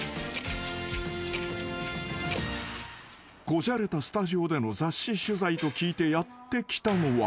［こじゃれたスタジオでの雑誌取材と聞いてやって来たのは］